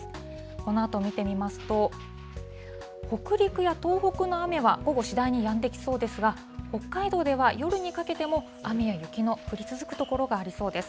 このあと見てみますと、北陸や東北の雨は午後、次第にやんできそうですが、北海道では夜にかけても雨や雪の降り続く所がありそうです。